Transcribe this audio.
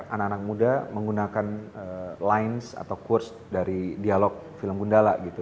anak anak muda menggunakan lines atau kurs dari dialog film gundala gitu